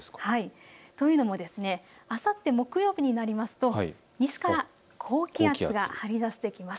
というのもあさって木曜日になりますと西から高気圧が張り出してきます。